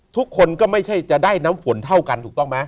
ทุกคนก็ไม่ใช่จะได้น้ำฝนเท่ากันถูกต้องไหม